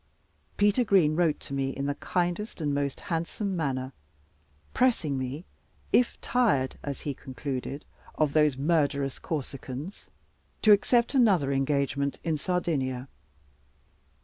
Peter Green wrote to me in the kindest and most handsome manner, pressing me, if tired (as he concluded) of those murderous Corsicans, to accept another engagement in Sardinia.